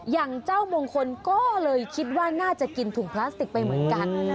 อย่างเจ้ามงคลก็เลยคิดว่าน่าจะกินถุงพลาสติกไปเหมือนกัน